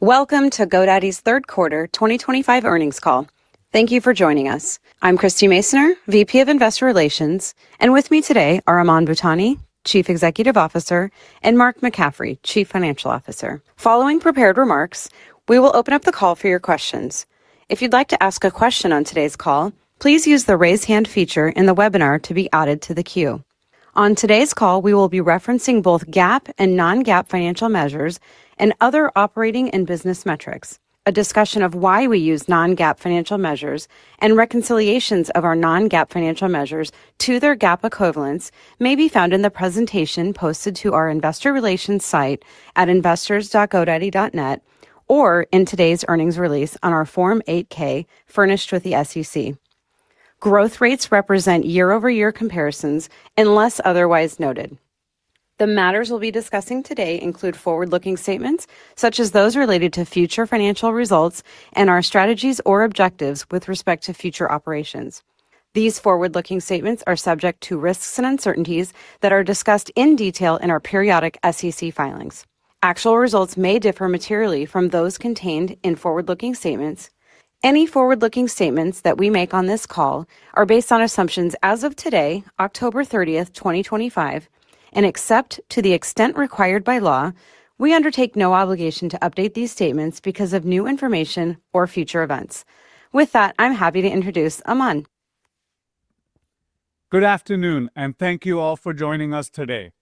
Welcome to GoDaddy's third quarter 2025 earnings call. Thank you for joining us. I'm Christie Masoner, VP of Investor Relations, and with me today are Aman Bhutani, Chief Executive Officer, and Mark McCaffrey, Chief Financial Officer. Following prepared remarks, we will open up the call for your questions. If you'd like to ask a question on today's call, please use the raise hand feature in the webinar to be added to the queue. On today's call, we will be referencing both GAAP and non-GAAP financial measures and other operating and business metrics. A discussion of why we use non-GAAP financial measures and reconciliations of our non-GAAP financial measures to their GAAP equivalents may be found in the presentation posted to our Investor Relations site at investors.godaddy.net or in today's earnings release on our Form 8K furnished with the SEC. Growth rates represent year-over-year comparisons unless otherwise noted. The matters we'll be discussing today include forward-looking statements such as those related to future financial results and our strategies or objectives with respect to future operations. These forward-looking statements are subject to risks and uncertainties that are discussed in detail in our periodic SEC filings. Actual results may differ materially from those contained in forward-looking statements. Any forward-looking statements that we make on this call are based on assumptions as of today, October 30th, 2025, and except to the extent required by law, we undertake no obligation to update these statements because of new information or future events. With that, I'm happy to introduce Aman. Good afternoon, and thank you all for joining us today.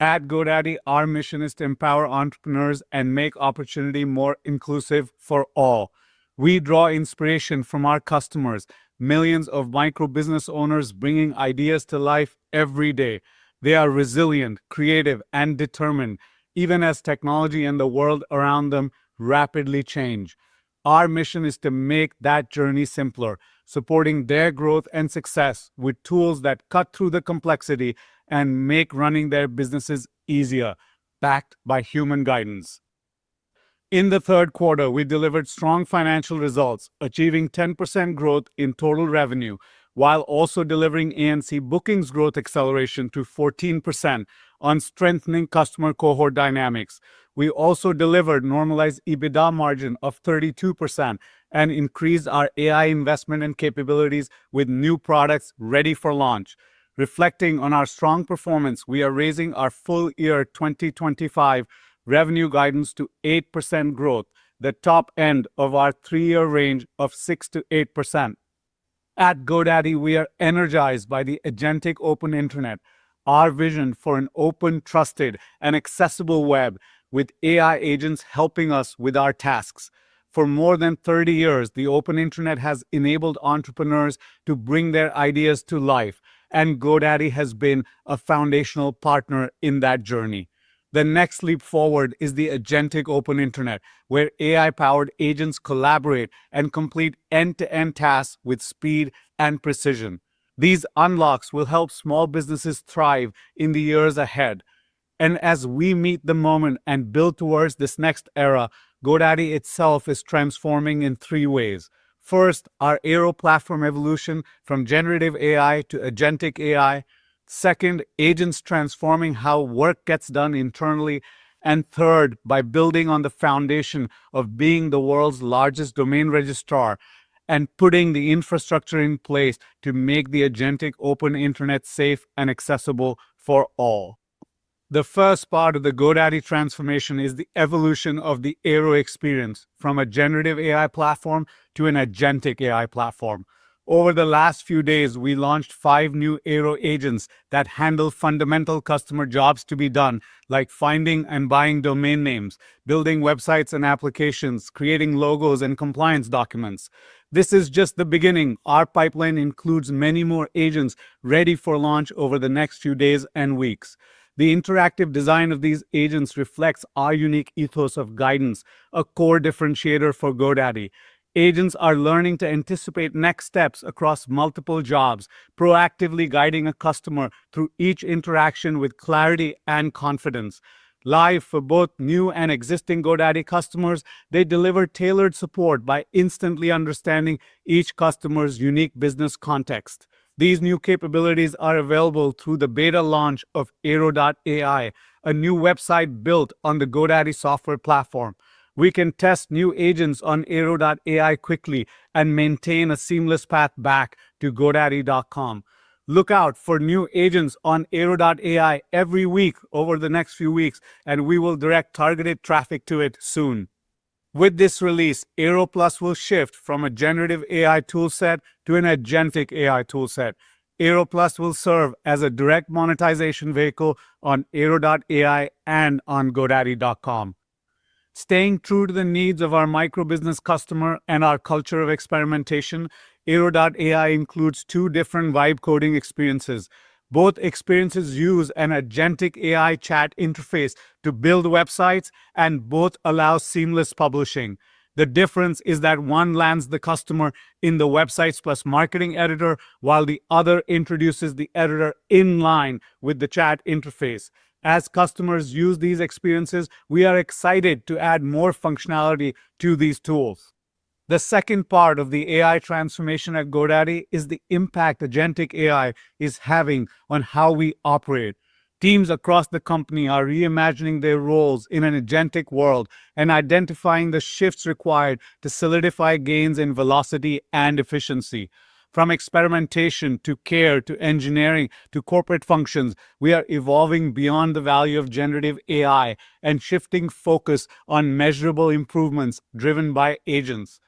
At GoDaddy, our mission is to empower entrepreneurs and make opportunity more inclusive for all. We draw inspiration from our customers, millions of micro-business owners bringing ideas to life every day. They are resilient, creative, and determined, even as technology and the world around them rapidly change. Our mission is to make that journey simpler, supporting their growth and success with tools that cut through the complexity and make running their businesses easier, backed by human guidance. In the third quarter, we delivered strong financial results, achieving 10% growth in total revenue while also delivering ANC bookings growth acceleration to 14% on strengthening customer cohort dynamics. We also delivered a normalized EBITDA margin of 32% and increased our AI investment and capabilities with new products ready for launch. Reflecting on our strong performance, we are raising our full year 2025 revenue guidance to 8% growth, the top end of our three-year range of 6%-8%. At GoDaddy, we are energized by the agentic open internet, our vision for an open, trusted, and accessible web with AI agents helping us with our tasks. For more than 30 years, the open internet has enabled entrepreneurs to bring their ideas to life, and GoDaddy has been a foundational partner in that journey. The next leap forward is the agentic open internet, where AI-powered agents collaborate and complete end-to-end tasks with speed and precision. These unlocks will help small businesses thrive in the years ahead. As we meet the moment and build towards this next era, GoDaddy itself is transforming in three ways. First, our Airo platform evolution from Generative AI to Agentic AI. Second, agents transforming how work gets done internally. Third, by building on the foundation of being the world's largest domain registrar and putting the infrastructure in place to make the agentic open internet safe and accessible for all. The first part of the GoDaddy transformation is the evolution of the Airo experience from a Generative AI platform to an Agentic AI platform. Over the last few days, we launched five new Airo agents that handle fundamental customer jobs to be done, like finding and buying domain names, building websites and applications, creating logos, and compliance documents. This is just the beginning. Our pipeline includes many more agents ready for launch over the next few days and weeks. The interactive design of these agents reflects our unique ethos of guidance, a core differentiator for GoDaddy. Agents are learning to anticipate next steps across multiple jobs, proactively guiding a customer through each interaction with clarity and confidence. Live for both new and existing GoDaddy customers, they deliver tailored support by instantly understanding each customer's unique business context. These new capabilities are available through the beta launch of Airo.ai, a new website built on the GoDaddy software platform. We can test new agents on Airo.ai quickly and maintain a seamless path back to GoDaddy.com. Look out for new agents on Airo.ai every week over the next few weeks, and we will direct targeted traffic to it soon. With this release, Airo Plus will shift from a Generative AI toolset to an Agentic AI toolset. Airo Plus will serve as a direct monetization vehicle on Airo.ai and on GoDaddy.com. Staying true to the needs of our micro-business customer and our culture of experimentation, Airo.ai includes two different vibe coding experiences. Both experiences use an Agentic AI chat interface to build websites and both allow seamless publishing. The difference is that one lands the customer in the Websites Plus Marketing editor, while the other introduces the editor in line with the chat interface. As customers use these experiences, we are excited to add more functionality to these tools. The second part of the AI transformation at GoDaddy is the impact Agentic AI is having on how we operate. Teams across the company are reimagining their roles in an agentic world and identifying the shifts required to solidify gains in velocity and efficiency. From experimentation to care to engineering to corporate functions, we are evolving beyond the value of Generative AI and shifting focus on measurable improvements driven by agents.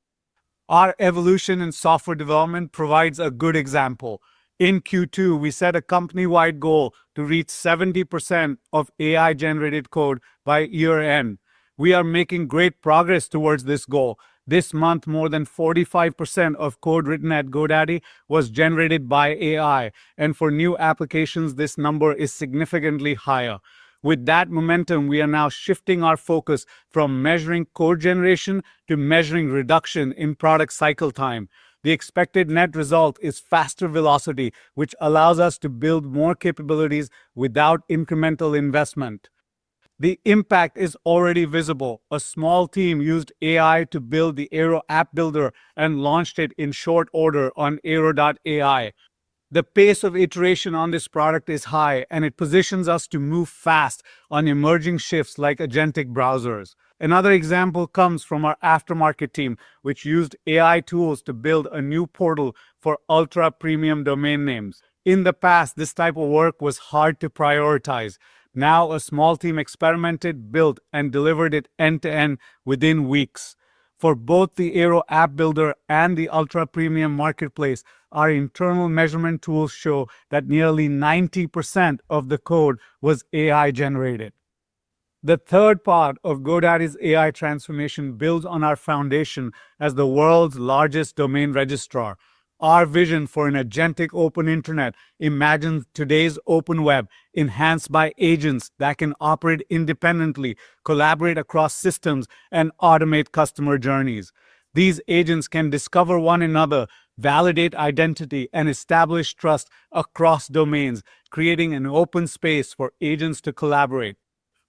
Our evolution in software development provides a good example. In Q2, we set a company-wide goal to reach 70% of AI-generated code by year-end. We are making great progress towards this goal. This month, more than 45% of code written at GoDaddy was generated by AI, and for new applications, this number is significantly higher. With that momentum, we are now shifting our focus from measuring code generation to measuring reduction in product cycle time. The expected net result is faster velocity, which allows us to build more capabilities without incremental investment. The impact is already visible. A small team used AI to build the Airo app builder and launched it in short order on Airo.ai. The pace of iteration on this product is high, and it positions us to move fast on emerging shifts like agentic browsers. Another example comes from our aftermarket team, which used AI tools to build a new portal for ultra-premium domain names. In the past, this type of work was hard to prioritize. Now, a small team experimented, built, and delivered it end-to-end within weeks. For both the Airo app builder and the ultra-premium marketplace, our internal measurement tools show that nearly 90% of the code was AI-generated. The third part of GoDaddy's AI transformation builds on our foundation as the world's largest domain registrar. Our vision for an agentic open internet imagines today's open web enhanced by agents that can operate independently, collaborate across systems, and automate customer journeys. These agents can discover one another, validate identity, and establish trust across domains, creating an open space for agents to collaborate.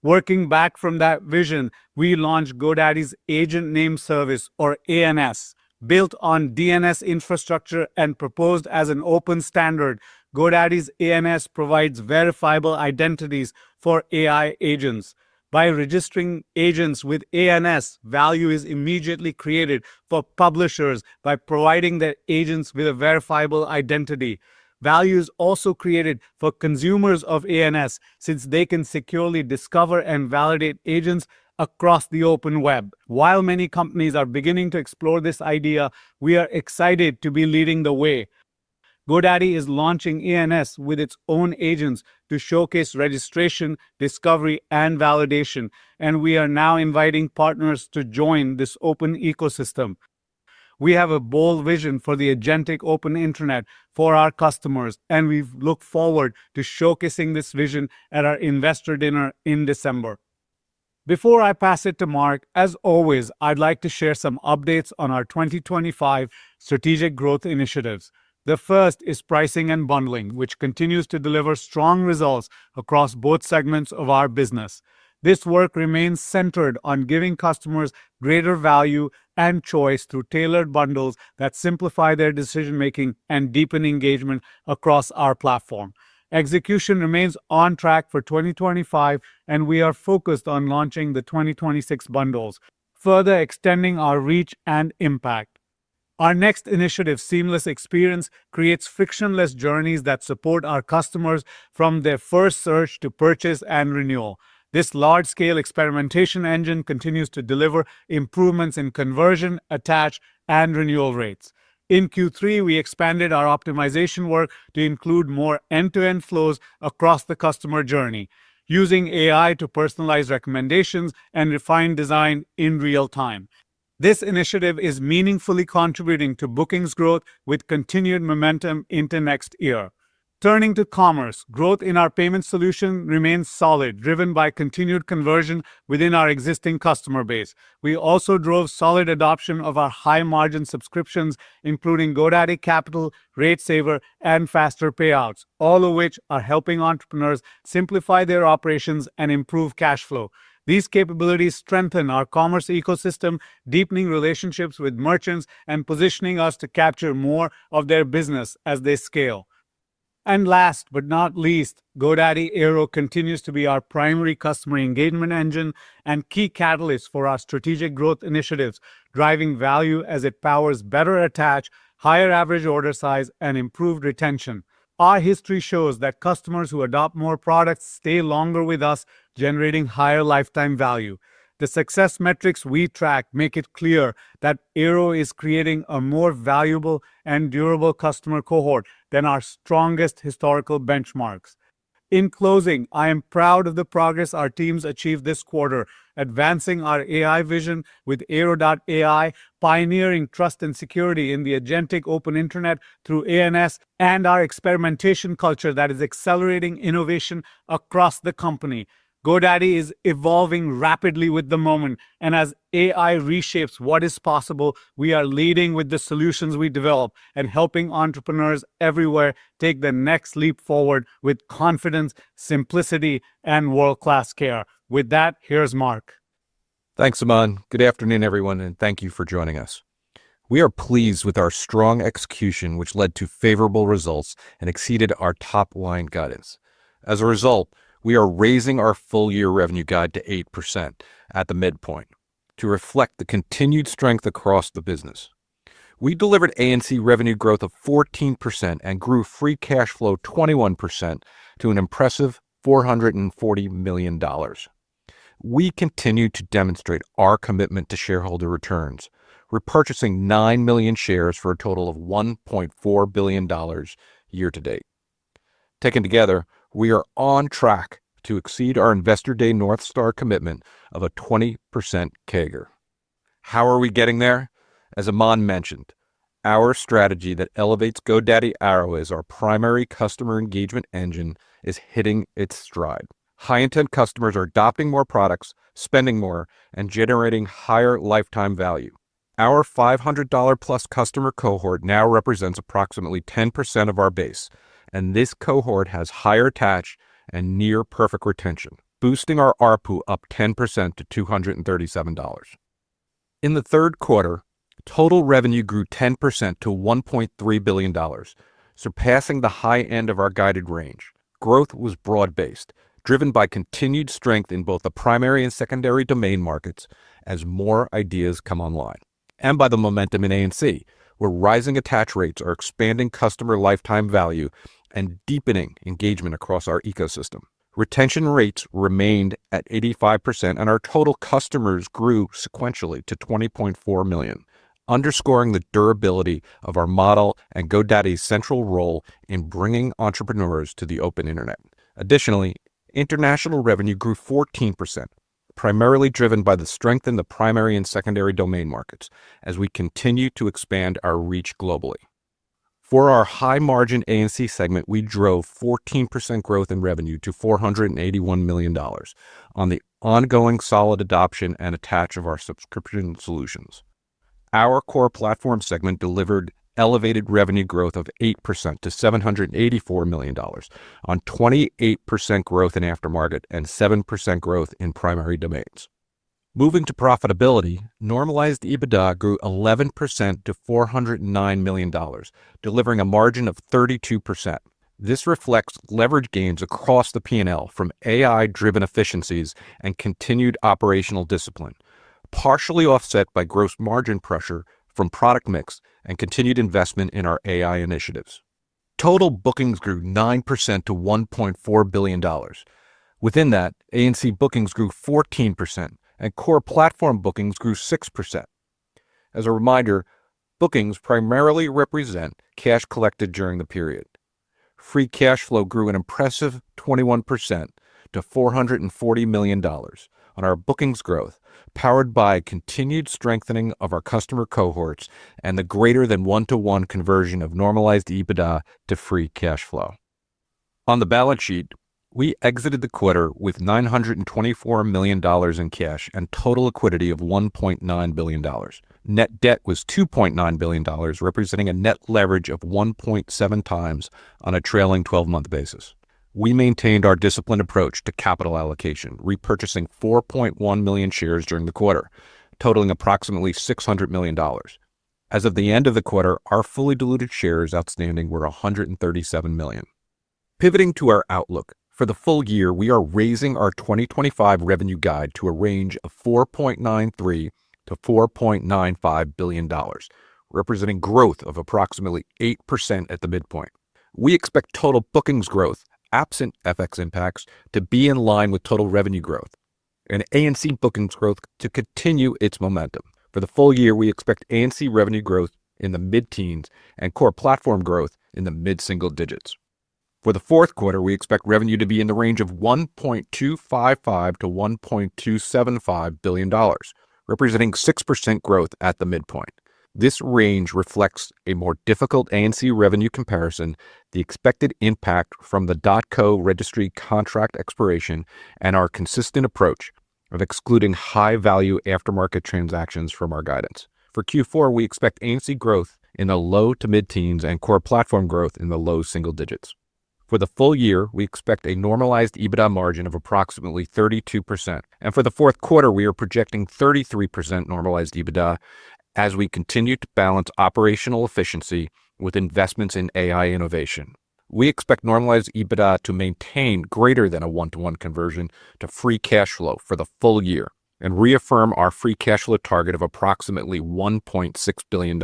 Working back from that vision, we launched GoDaddy's Agent Name Service, or ANS, built on DNS infrastructure and proposed as an open standard. GoDaddy's ANS provides verifiable identities for AI agents. By registering agents with ANS, value is immediately created for publishers by providing their agents with a verifiable identity. Value is also created for consumers of ANS since they can securely discover and validate agents across the open web. While many companies are beginning to explore this idea, we are excited to be leading the way. GoDaddy is launching ANS with its own agents to showcase registration, discovery, and validation, and we are now inviting partners to join this open ecosystem. We have a bold vision for the agentic open internet for our customers, and we look forward to showcasing this vision at our investor dinner in December. Before I pass it to Mark, as always, I'd like to share some updates on our 2025 strategic growth initiatives. The first is pricing and bundling, which continues to deliver strong results across both segments of our business. This work remains centered on giving customers greater value and choice through tailored bundles that simplify their decision-making and deepen engagement across our platform. Execution remains on track for 2025, and we are focused on launching the 2026 bundles, further extending our reach and impact. Our next initiative, Seamless Experience, creates frictionless journeys that support our customers from their first search to purchase and renewal. This large-scale experimentation engine continues to deliver improvements in conversion, attach, and renewal rates. In Q3, we expanded our optimization work to include more end-to-end flows across the customer journey, using AI to personalize recommendations and refine design in real time. This initiative is meaningfully contributing to bookings growth with continued momentum into next year. Turning to commerce, growth in our payment solution remains solid, driven by continued conversion within our existing customer base. We also drove solid adoption of our high-margin subscriptions, including GoDaddy Capital, Rate Saver, and Faster Payouts, all of which are helping entrepreneurs simplify their operations and improve cash flow. These capabilities strengthen our commerce ecosystem, deepening relationships with merchants and positioning us to capture more of their business as they scale. Last but not least, GoDaddy Airo continues to be our primary customer engagement engine and key catalyst for our strategic growth initiatives, driving value as it powers better attach, higher average order size, and improved retention. Our history shows that customers who adopt more products stay longer with us, generating higher lifetime value. The success metrics we track make it clear that Airo is creating a more valuable and durable customer cohort than our strongest historical benchmarks. In closing, I am proud of the progress our teams achieved this quarter, advancing our AI vision with Airo.ai, pioneering trust and security in the agentic open internet through ANS, and our experimentation culture that is accelerating innovation across the company. GoDaddy is evolving rapidly with the moment, and as AI reshapes what is possible, we are leading with the solutions we develop and helping entrepreneurs everywhere take the next leap forward with confidence, simplicity, and world-class care. With that, here's Mark. Thanks, Aman. Good afternoon, everyone, and thank you for joining us. We are pleased with our strong execution, which led to favorable results and exceeded our top line guidance. As a result, we are raising our full year revenue guide to 8% at the midpoint to reflect the continued strength across the business. We delivered ANC revenue growth of 14% and grew free cash flow 21% to an impressive $440 million. We continue to demonstrate our commitment to shareholder returns, repurchasing 9 million shares for a total of $1.4 billion year to date. Taken together, we are on track to exceed our Investor Day North Star commitment of a 20% CAGR. How are we getting there? As Aman mentioned, our strategy that elevates GoDaddy Airo as our primary customer engagement engine is hitting its stride. High-intent customers are adopting more products, spending more, and generating higher lifetime value. Our $500 Plus customer cohort now represents approximately 10% of our base, and this cohort has higher attach and near-perfect retention, boosting our ARPU up 10% to $237. In the third quarter, total revenue grew 10% to $1.3 billion, surpassing the high end of our guided range. Growth was broad-based, driven by continued strength in both the primary and secondary domain markets as more ideas come online. By the momentum in ANC, where rising attach rates are expanding customer lifetime value and deepening engagement across our ecosystem. Retention rates remained at 85%, and our total customers grew sequentially to 20.4 million, underscoring the durability of our model and GoDaddy's central role in bringing entrepreneurs to the open internet. Additionally, international revenue grew 14%, primarily driven by the strength in the primary and secondary domain markets as we continue to expand our reach globally. For our high-margin ANC segment, we drove 14% growth in revenue to $481 million on the ongoing solid adoption and attach of our subscription solutions. Our core platform segment delivered elevated revenue growth of 8% to $784 million, on 28% growth in aftermarket and 7% growth in primary domains. Moving to profitability, normalized EBITDA grew 11% to $409 million, delivering a margin of 32%. This reflects leverage gains across the P&L from AI-driven efficiencies and continued operational discipline, partially offset by gross margin pressure from product mix and continued investment in our AI initiatives. Total bookings grew 9% to $1.4 billion. Within that, ANC bookings grew 14%, and core platform bookings grew 6%. As a reminder, bookings primarily represent cash collected during the period. Free cash flow grew an impressive 21% to $440 million. On our bookings growth, powered by continued strengthening of our customer cohorts and the greater-than-one-to-one conversion of normalized EBITDA to free cash flow. On the balance sheet, we exited the quarter with $924 million in cash and total liquidity of $1.9 billion. Net debt was $2.9 billion, representing a net leverage of 1.7x on a trailing 12-month basis. We maintained our disciplined approach to capital allocation, repurchasing 4.1 million shares during the quarter, totaling approximately $600 million. As of the end of the quarter, our fully diluted shares outstanding were 137 million. Pivoting to our outlook, for the full year, we are raising our 2025 revenue guide to a range of $4.93 billion-$4.95 billion, representing growth of approximately 8% at the midpoint. We expect total bookings growth, absent FX impacts, to be in line with total revenue growth and ANC bookings growth to continue its momentum. For the full year, we expect ANC revenue growth in the mid-teens and core platform growth in the mid-single digits. For the fourth quarter, we expect revenue to be in the range of $1.255 billion-$1.275 billion, representing 6% growth at the midpoint. This range reflects a more difficult ANC revenue comparison, the expected impact from the .co registry contract expiration, and our consistent approach of excluding high-value aftermarket transactions from our guidance. For Q4, we expect ANC growth in the low to mid-teens and core platform growth in the low single digits. For the full year, we expect a normalized EBITDA margin of approximately 32%. For the fourth quarter, we are projecting 33% normalized EBITDA as we continue to balance operational efficiency with investments in AI innovation. We expect normalized EBITDA to maintain greater than a one-to-one conversion to free cash flow for the full year and reaffirm our free cash flow target of approximately $1.6 billion,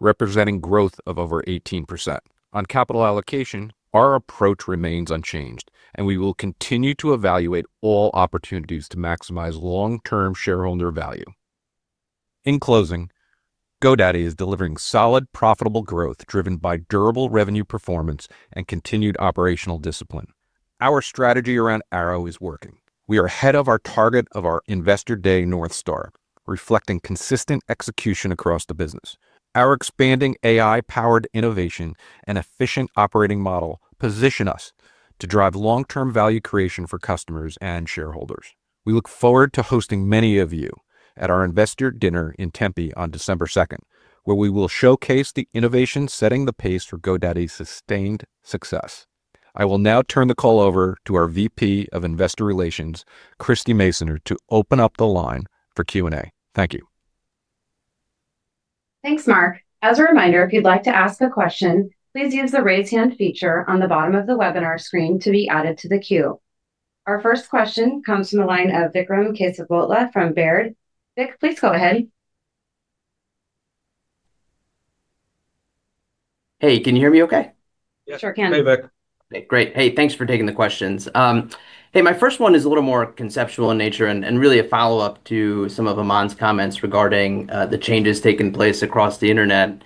representing growth of over 18%. On capital allocation, our approach remains unchanged, and we will continue to evaluate all opportunities to maximize long-term shareholder value. In closing, GoDaddy is delivering solid, profitable growth driven by durable revenue performance and continued operational discipline. Our strategy around Airo is working. We are ahead of our target of our Investor Day North Star, reflecting consistent execution across the business. Our expanding AI-powered innovation and efficient operating model position us to drive long-term value creation for customers and shareholders. We look forward to hosting many of you at our investor dinner in Tempe on December 2, where we will showcase the innovation setting the pace for GoDaddy's sustained success. I will now turn the call over to our VP of Investor Relations, Christie Masoner, to open up the line for Q&A. Thank you. Thanks, Mark. As a reminder, if you'd like to ask a question, please use the raise hand feature on the bottom of the webinar screen to be added to the queue. Our first question comes from the line of Vikram Kesavabhotia from Baird. Vik, please go ahead. Hey, can you hear me okay? Sure can. Hey, Vik. Great. Hey, thanks for taking the questions. My first one is a little more conceptual in nature and really a follow-up to some of Aman's comments regarding the changes taking place across the internet.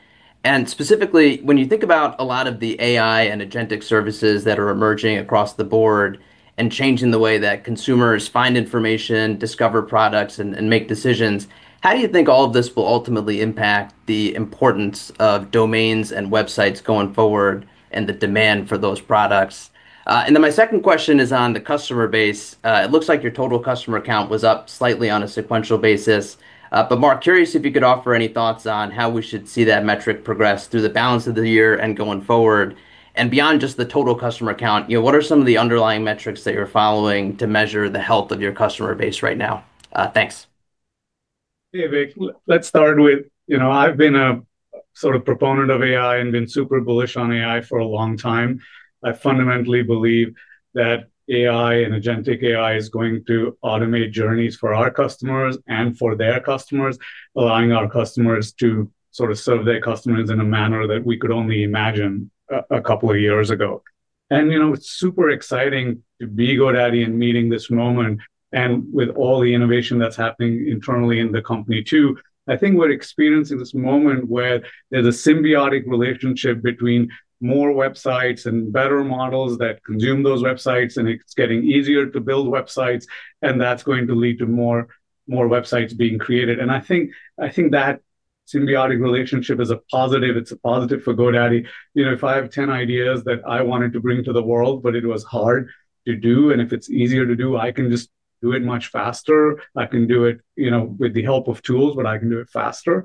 Specifically, when you think about a lot of the AI and agentic services that are emerging across the board and changing the way that consumers find information, discover products, and make decisions, how do you think all of this will ultimately impact the importance of domains and websites going forward and the demand for those products? My second question is on the customer base. It looks like your total customer account was up slightly on a sequential basis. Mark, curious if you could offer any thoughts on how we should see that metric progress through the balance of the year and going forward. Beyond just the total customer account, what are some of the underlying metrics that you're following to measure the health of your customer base right now? Thanks. Hey, Vik. Let's start with, I've been a sort of proponent of AI and been super bullish on AI for a long time. I fundamentally believe that AI and Agentic AI is going to automate journeys for our customers and for their customers, allowing our customers to sort of serve their customers in a manner that we could only imagine a couple of years ago. It's super exciting to be GoDaddy and meeting this moment with all the innovation that's happening internally in the company too. I think we're experiencing this moment where there's a symbiotic relationship between more websites and better models that consume those websites, and it's getting easier to build websites, which is going to lead to more websites being created. I think that symbiotic relationship is a positive. It's a positive for GoDaddy. If I have 10 ideas that I wanted to bring to the world, but it was hard to do, and if it's easier to do, I can just do it much faster. I can do it with the help of tools, but I can do it faster.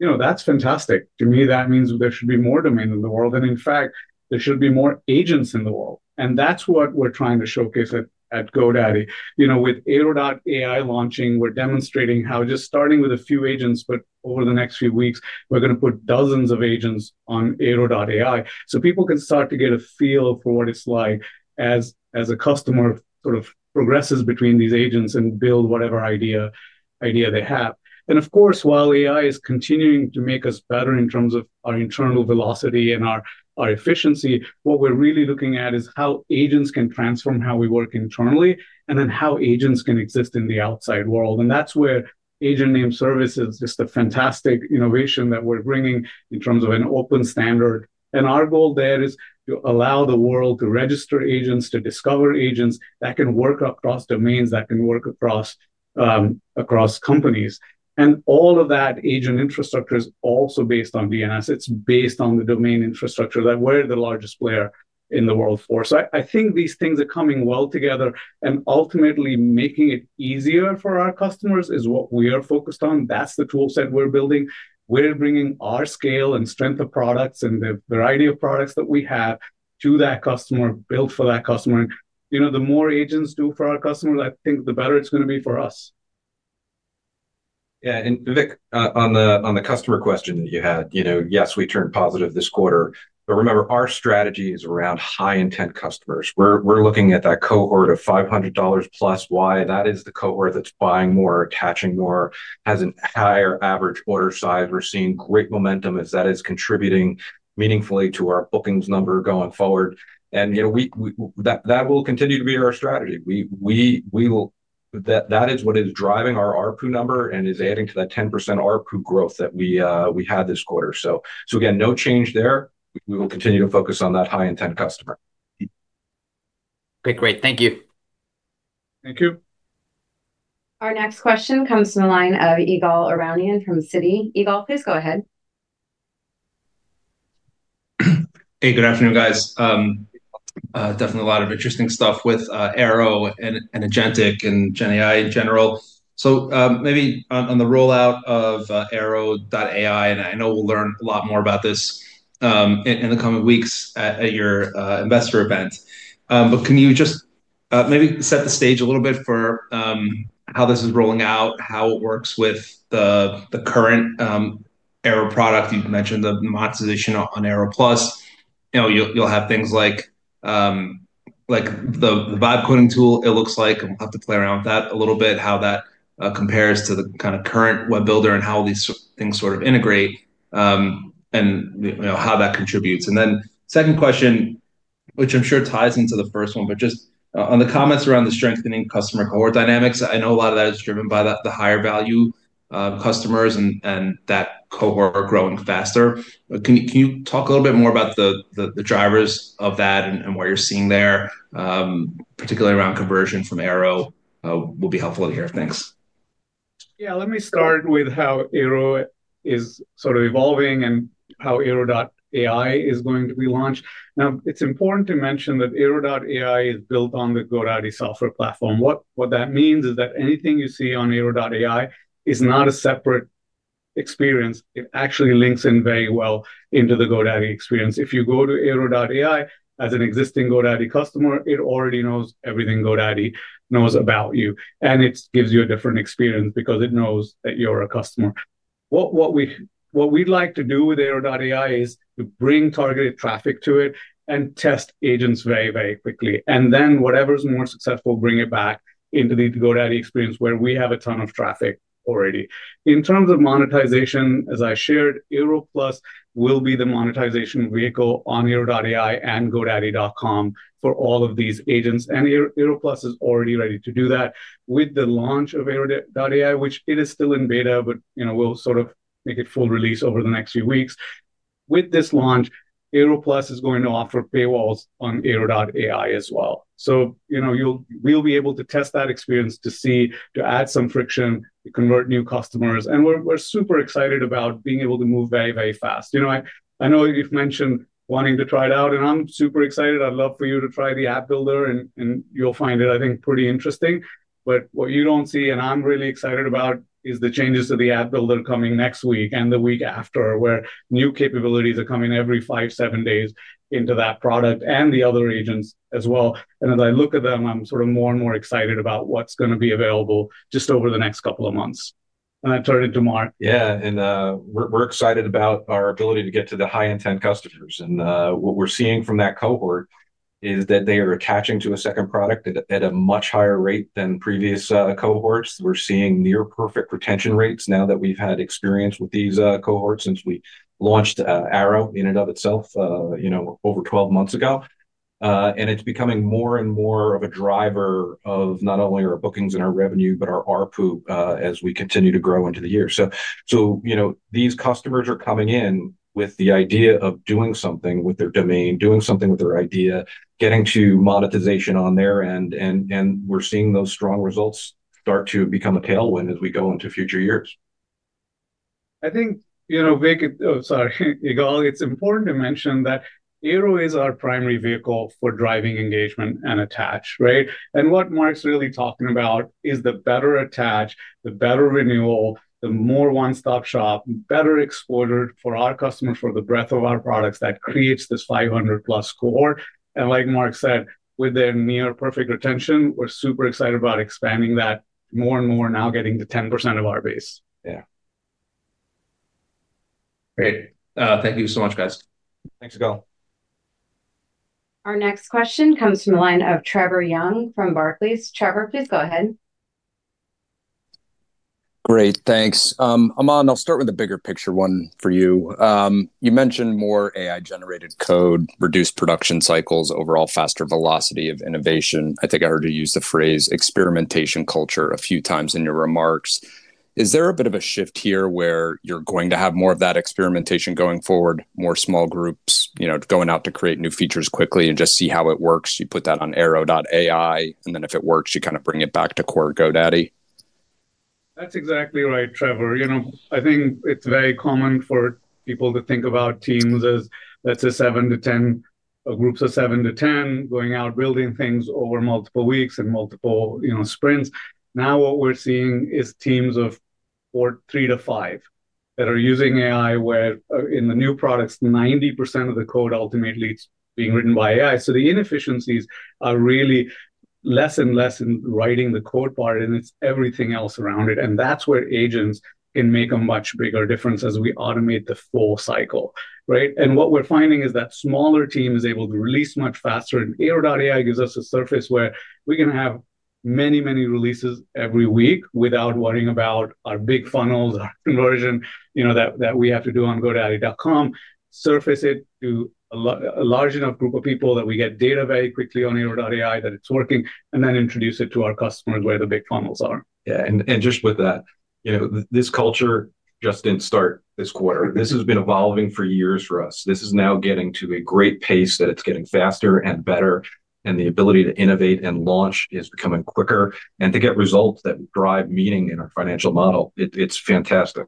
That's fantastic. To me, that means there should be more domains in the world. In fact, there should be more agents in the world. That's what we're trying to showcase at GoDaddy. With Airo.ai launching, we're demonstrating how just starting with a few agents, over the next few weeks, we're going to put dozens of agents on Airo.ai. People can start to get a feel for what it's like as a customer progresses between these agents and builds whatever idea they have. Of course, while AI is continuing to make us better in terms of our internal velocity and our efficiency, what we're really looking at is how agents can transform how we work internally and then how agents can exist in the outside world. That's where Agent Name Service is just a fantastic innovation that we're bringing in terms of an open standard. Our goal there is to allow the world to register agents, to discover agents that can work across domains, that can work across companies. All of that agent infrastructure is also based on DNS. It's based on the domain infrastructure that we're the largest player in the world for. I think these things are coming well together, and ultimately making it easier for our customers is what we are focused on. That's the toolset we're building. We're bringing our scale and strength of products and the variety of products that we have to that customer, built for that customer. The more agents do for our customers, I think the better it's going to be for us. Yeah. Vik, on the customer question that you had, yes, we turned positive this quarter. Remember, our strategy is around high-intent customers. We're looking at that cohort of $500 Plus, because that is the cohort that's buying more, attaching more, has a higher average order size. We're seeing great momentum as that is contributing meaningfully to our bookings number going forward. That will continue to be our strategy. That is what is driving our ARPU number and is adding to that 10% ARPU growth that we had this quarter. Again, no change there. We will continue to focus on that high-intent customer. Okay. Great. Thank you. Thank you. Our next question comes from the line of Ygal Arounian from Citi. Ygal, please go ahead. Hey, good afternoon, guys. Definitely a lot of interesting stuff with Airo and Agentic and GenAI in general. Maybe on the rollout of Airo.ai, and I know we'll learn a lot more about this in the coming weeks at your investor event. Can you just maybe set the stage a little bit for how this is rolling out, how it works with the current Airo product? You've mentioned the monetization on Airo Plus. You'll have things like the vibe coding tool, it looks like, and we'll have to play around with that a little bit, how that compares to the kind of current web builder and how these things sort of integrate and how that contributes. Second question, which I'm sure ties into the first one, just on the comments around the strengthening customer cohort dynamics, I know a lot of that is driven by the higher value customers and that cohort growing faster. Can you talk a little bit more about the drivers of that and what you're seeing there, particularly around conversion from Airo? Will be helpful to hear. Thanks. Yeah. Let me start with how Airo is sort of evolving and how Airo.ai is going to be launched. Now, it's important to mention that Airo.ai is built on the GoDaddy software platform. What that means is that anything you see on Airo.ai is not a separate experience. It actually links in very well into the GoDaddy experience. If you go to Airo.ai as an existing GoDaddy customer, it already knows everything GoDaddy knows about you, and it gives you a different experience because it knows that you're a customer. What we'd like to do with Airo.ai is to bring targeted traffic to it and test agents very, very quickly. Whatever's more successful, bring it back into the GoDaddy experience where we have a ton of traffic already. In terms of monetization, as I shared, Airo Plus will be the monetization vehicle on Airo.ai and GoDaddy.com for all of these agents. Airo Plus is already ready to do that with the launch of Airo.ai, which is still in beta, but we'll sort of make it full release over the next few weeks. With this launch, Airo Plus is going to offer paywalls on Airo.ai as well. We'll be able to test that experience to see, to add some friction, to convert new customers. We're super excited about being able to move very, very fast. I know you've mentioned wanting to try it out, and I'm super excited. I'd love for you to try the app builder, and you'll find it, I think, pretty interesting. What you don't see, and I'm really excited about, is the changes to the app builder coming next week and the week after, where new capabilities are coming every five, seven days into that product and the other agents as well. As I look at them, I'm sort of more and more excited about what's going to be available just over the next couple of months. I turn it to Mark. Yeah, we're excited about our ability to get to the high-intent customers. What we're seeing from that cohort is that they are attaching to a second product at a much higher rate than previous cohorts. We're seeing near-perfect retention rates now that we've had experience with these cohorts since we launched Airo in and of itself over 12 months ago. It's becoming more and more of a driver of not only our bookings and our revenue, but our ARPU as we continue to grow into the year. These customers are coming in with the idea of doing something with their domain, doing something with their idea, getting to monetization on their end. We're seeing those strong results start to become a tailwind as we go into future years. Sorry, Ygal, it's important to mention that Airo is our primary vehicle for driving engagement and attach, right? What Mark's really talking about is the better attach, the better renewal, the more one-stop shop, better exposure for our customers for the breadth of our products that creates this 500 Plus cohort. Like Mark said, with their near-perfect retention, we're super excited about expanding that more and more, now getting to 10% of our base. Yeah, great. Thank you so much, guys. Thanks, Ygal. Our next question comes from the line of Trevor Young from Barclays. Trevor, please go ahead. Great. Thanks. Aman, I'll start with the bigger picture one for you. You mentioned more AI-generated code, reduced production cycles, overall faster velocity of innovation. I think I heard you use the phrase experimentation culture a few times in your remarks. Is there a bit of a shift here where you're going to have more of that experimentation going forward, more small groups going out to create new features quickly and just see how it works? You put that on Airo.ai, and then if it works, you kind of bring it back to core GoDaddy? That's exactly right, Trevor. I think it's very common for people to think about teams as groups of seven to 10 going out building things over multiple weeks and multiple sprints. Now what we're seeing is teams of three to five that are using AI where in the new products, 90% of the code ultimately is being written by AI. The inefficiencies are really less and less in writing the code part, and it's everything else around it. That's where agents can make a much bigger difference as we automate the full cycle, right? What we're finding is that smaller team is able to release much faster. Airo.ai gives us a surface where we can have many, many releases every week without worrying about our big funnels, our conversion that we have to do on GoDaddy.com, surface it to a large enough group of people that we get data very quickly on Airo.ai that it's working, and then introduce it to our customers where the big funnels are. This culture just didn't start this quarter. This has been evolving for years for us. This is now getting to a great pace that it's getting faster and better, and the ability to innovate and launch is becoming quicker. To get results that drive meaning in our financial model, it's fantastic.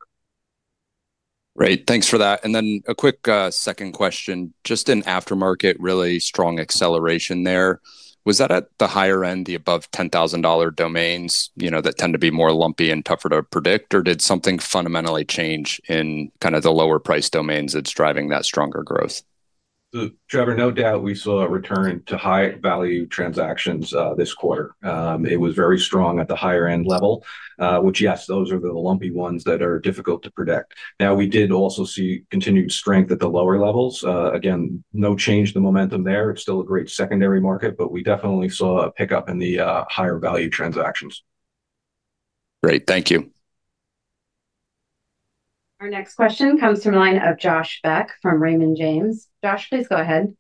Great, thanks for that. A quick second question, just in aftermarket, really strong acceleration there. Was that at the higher end, the above $10,000 domains that tend to be more lumpy and tougher to predict, or did something fundamentally change in kind of the lower-priced domains that's driving that stronger growth? Trevor, no doubt we saw a return to high-value transactions this quarter. It was very strong at the higher-end level, which, yes, those are the lumpy ones that are difficult to predict. We did also see continued strength at the lower levels. Again, no change in the momentum there. It's still a great secondary market, but we definitely saw a pickup in the higher-value transactions. Great. Thank you. Our next question comes from the line of Josh Beck from Raymond James. Josh, please go ahead.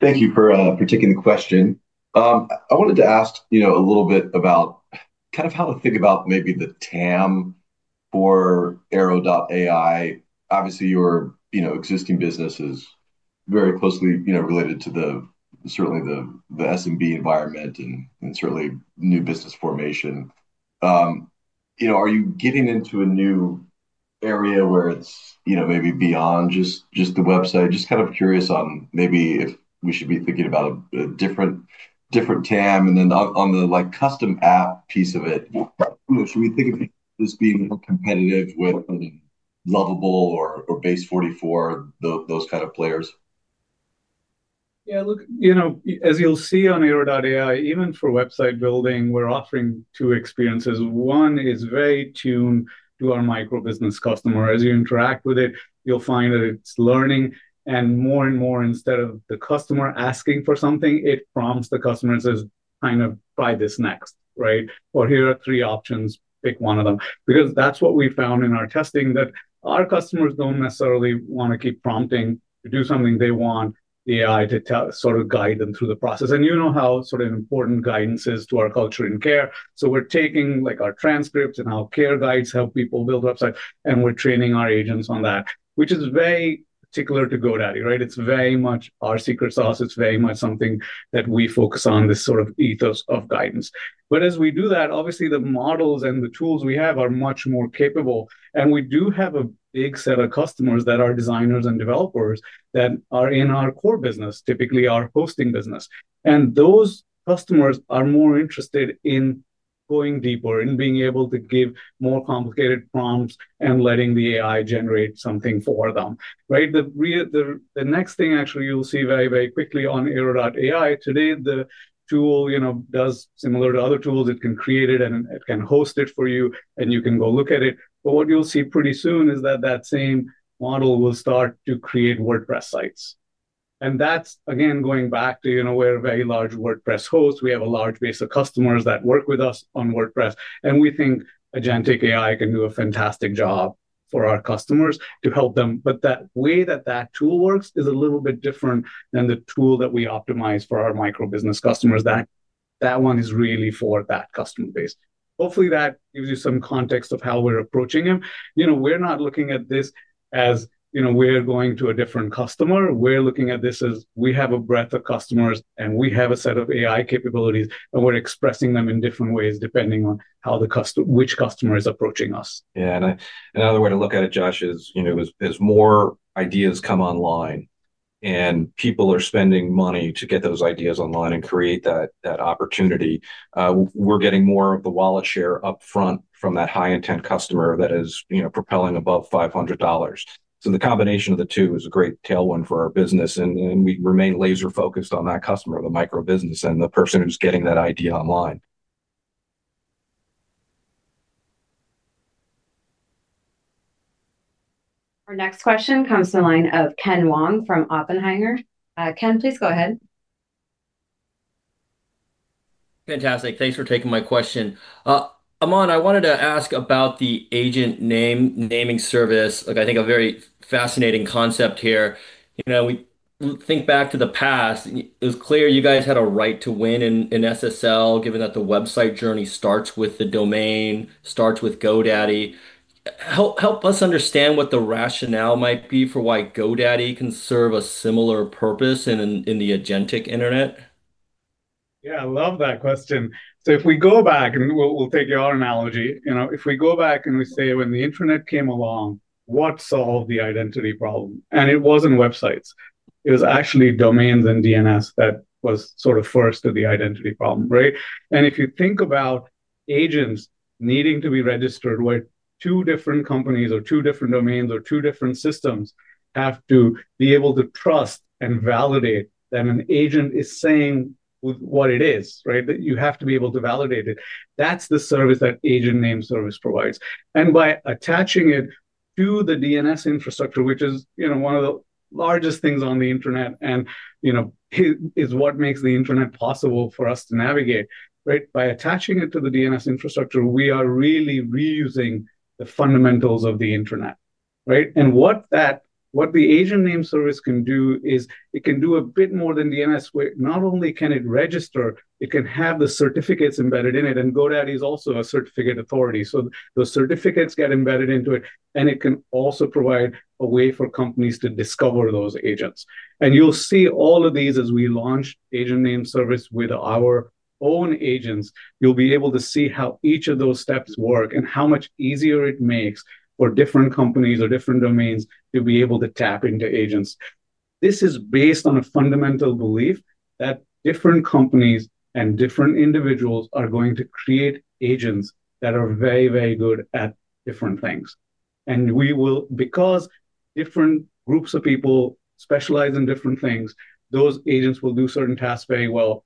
Thank you for taking the question. I wanted to ask a little bit about how to think about maybe the TAM for Airo.ai. Obviously, your existing business is very closely related to certainly the SMB environment and certainly new business formation. Are you getting into a new area where it's maybe beyond just the website? Just kind of curious on maybe if we should be thinking about a different TAM. On the custom app piece of it, should we think of this being competitive with Lovable or Base44, those kind of players? Yeah. Look, as you'll see on Airo.ai, even for website building, we're offering two experiences. One is very tuned to our microbusiness customer. As you interact with it, you'll find that it's learning. More and more, instead of the customer asking for something, it prompts the customer and says, "Kind of buy this next," right? Or, "Here are three options. Pick one of them." That's what we found in our testing, that our customers don't necessarily want to keep prompting to do something. They want the AI to sort of guide them through the process. You know how sort of important guidance is to our culture and care. We're taking our transcripts and our care guides that help people build websites, and we're training our agents on that, which is very particular to GoDaddy, right? It's very much our secret sauce. It's very much something that we focus on, this sort of ethos of guidance. As we do that, obviously, the models and the tools we have are much more capable. We do have a big set of customers that are designers and developers that are in our core business, typically our hosting business. Those customers are more interested in going deeper and being able to give more complicated prompts and letting the AI generate something for them, right? The next thing, actually, you'll see very, very quickly on Airo.ai. Today, the tool does similar to other tools. It can create it, and it can host it for you, and you can go look at it. What you'll see pretty soon is that that same model will start to create WordPress sites. That's, again, going back to we're a very large WordPress host. We have a large base of customers that work with us on WordPress. We think Agentic AI can do a fantastic job for our customers to help them. That way that that tool works is a little bit different than the tool that we optimize for our microbusiness customers. That one is really for that customer base. Hopefully, that gives you some context of how we're approaching them. We're not looking at this as we're going to a different customer. We're looking at this as we have a breadth of customers, and we have a set of AI capabilities, and we're expressing them in different ways depending on which customer is approaching us. Another way to look at it, Josh, is as more ideas come online and people are spending money to get those ideas online and create that opportunity, we're getting more of the wallet share upfront from that high-intent customer that is propelling above $500. The combination of the two is a great tailwind for our business. We remain laser-focused on that customer, the microbusiness, and the person who's getting that idea online. Our next question comes from the line of Ken Wong from Oppenheimer. Ken, please go ahead. Fantastic. Thanks for taking my question. Aman, I wanted to ask about the Agent Name Service. I think a very fascinating concept here. We think back to the past. It was clear you guys had a right to win in SSL, given that the website journey starts with the domain, starts with GoDaddy. Help us understand what the rationale might be for why GoDaddy can serve a similar purpose in the agentic internet. Yeah. I love that question. If we go back, and we'll take your analogy, if we go back and we say, when the internet came along, what solved the identity problem? It wasn't websites. It was actually domains and DNS that was sort of first to the identity problem, right? If you think about agents needing to be registered where two different companies or two different domains or two different systems have to be able to trust and validate that an agent is saying what it is, right? You have to be able to validate it. That's the service that Agent Name Service provides. By attaching it to the DNS infrastructure, which is one of the largest things on the internet and is what makes the internet possible for us to navigate, right? By attaching it to the DNS infrastructure, we are really reusing the fundamentals of the internet, right? What the Agent Name Service can do is it can do a bit more than DNS, where not only can it register, it can have the certificates embedded in it. GoDaddy is also a certificate authority, so the certificates get embedded into it, and it can also provide a way for companies to discover those agents. You'll see all of these as we launch Agent Name Service with our own agents. You'll be able to see how each of those steps work and how much easier it makes for different companies or different domains to be able to tap into agents. This is based on a fundamental belief that different companies and different individuals are going to create agents that are very, very good at different things. Because different groups of people specialize in different things, those agents will do certain tasks very well.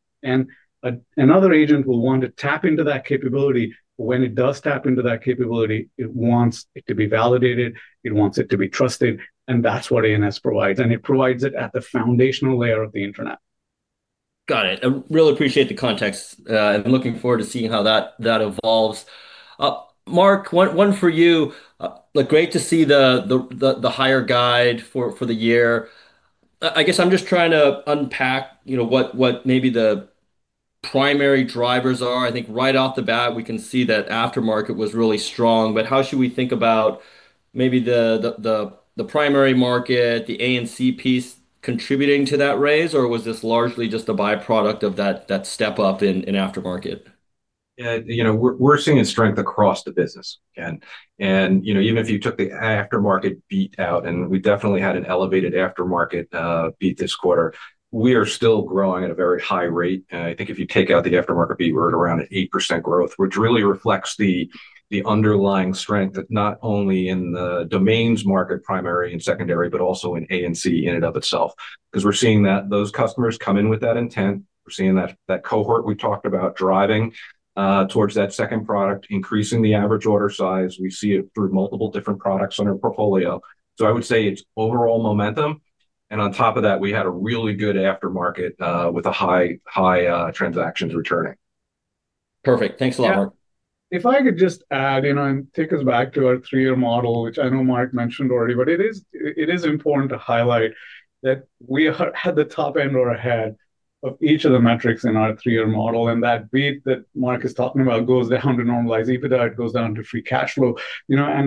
Another agent will want to tap into that capability. When it does tap into that capability, it wants it to be validated. It wants it to be trusted. That's what ANS provides. It provides it at the foundational layer of the internet. Got it. I really appreciate the context. I'm looking forward to seeing how that evolves. Mark, one for you. Great to see the higher guide for the year. I guess I'm just trying to unpack what maybe the primary drivers are. I think right off the bat, we can see that aftermarket was really strong. How should we think about maybe the primary market, the ANC piece contributing to that raise? Was this largely just a byproduct of that step up in aftermarket? Yeah. We're seeing strength across the business, Ken. Even if you took the aftermarket beat out, and we definitely had an elevated aftermarket beat this quarter, we are still growing at a very high rate. I think if you take out the aftermarket beat, we're at around an 8% growth, which really reflects the underlying strength that's not only in the domains market, primary and secondary, but also in ANC in and of itself. We're seeing that those customers come in with that intent. We're seeing that cohort we talked about driving towards that second product, increasing the average order size. We see it through multiple different products on our portfolio. I would say it's overall momentum. On top of that, we had a really good aftermarket with high transactions returning. Perfect. Thanks a lot, Mark. Yeah. If I could just add, and take us back to our three-year model, which I know Mark mentioned already, it is important to highlight that we had the top end or ahead of each of the metrics in our three-year model. That beat that Mark is talking about goes down to normalized EBITDA. It goes down to free cash flow.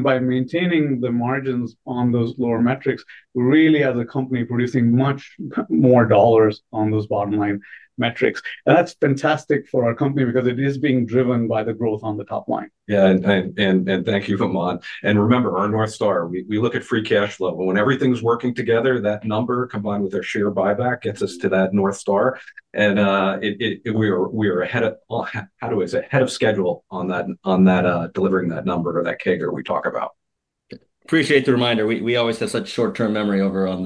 By maintaining the margins on those lower metrics, we're really, as a company, producing much more dollars on those bottom-line metrics. That's fantastic for our company because it is being driven by the growth on the top line. Yeah. Thank you, Aman. Remember, our North Star, we look at free cash flow. When everything's working together, that number combined with our share buyback gets us to that North Star. We are ahead of, how do I say, ahead of schedule on delivering that number or that CAGR we talk about. Appreciate the reminder. We always have such short-term memory over on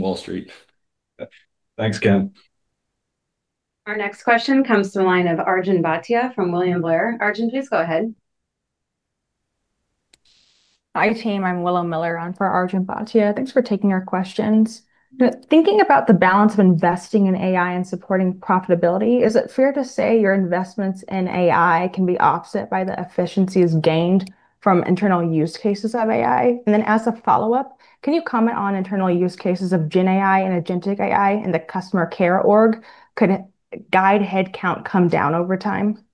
Wall Street. Thanks, Ken. Our next question comes from the line of Arjun Bhatia from William Blair. Arjun, please go ahead. Hi, team. I'm Willow Miller, on for Arjun Bhatia. Thanks for taking our questions. Thinking about the balance of investing in AI and supporting profitability, is it fair to say your investments in AI can be offset by the efficiencies gained from internal use cases of AI? As a follow-up, can you comment on internal use cases of GenAI and Agentic AI in the customer care org? Could guide headcount come down over time?